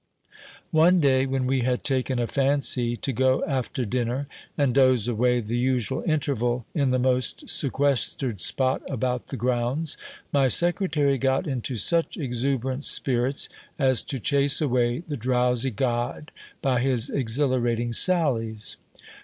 One day, when we had taken a fancy to go after dinner, and doze away the usual interval in the most sequestered spot about the grounds, my secretary got into such exuberant spirits, as to chase away the drowsy god by his exhilarating sallies.